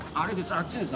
あっちです。